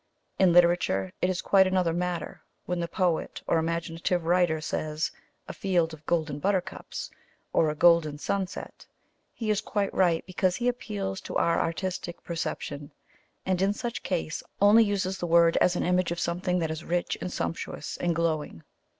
In literature it is quite another matter; when the poet or imaginative writer says, "a field of golden buttercups," or "a golden sunset," he is quite right, because he appeals to our artistic perception, and in such case only uses the word as an image of something that is rich and sumptuous and glowing.